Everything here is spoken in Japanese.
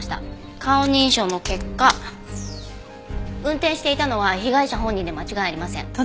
顔認証の結果運転していたのは被害者本人で間違いありません。